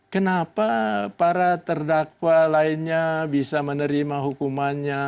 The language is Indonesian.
kenapa para terdakwa lainnya bisa menerima hukumannya